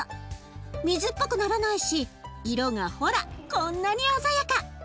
水っぽくならないし色がほらこんなに鮮やか。